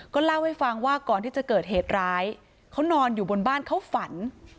เล่าให้ฟังว่าก่อนที่จะเกิดเหตุร้ายเขานอนอยู่บนบ้านเขาฝัน